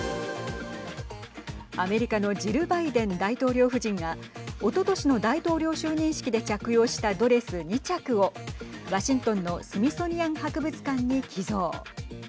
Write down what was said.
アメリカのジル・バイデン大統領夫人がおととしの大統領就任式で着用したドレス２着をワシントンのスミソニアン博物館に寄贈。